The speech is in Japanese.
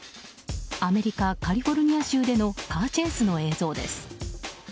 アメリカ・カリフォルニア州でのカーチェイスの映像です。